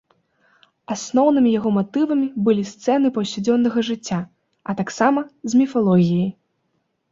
Асноўнымі яго матывамі былі сцэны паўсядзённага жыцця, а таксама з міфалогіі.